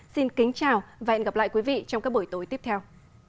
xin kính chào và hẹn gặp lại quý vị trong các buổi tối tiếp theo